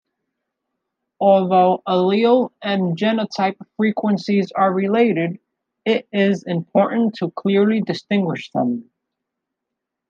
Although allele and genotype frequencies are related, it is important to clearly distinguish them.